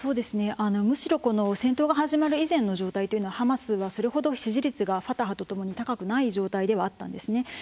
むしろ戦闘が始まる以前の状態というのはハマスはそれほど支持率がファタハとともに高くない状態ではあったんですね。